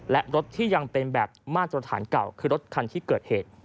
และรถที่ยังเป็นแบบมาตรฐานเก่าคือรถคันที่เกิดเหตุ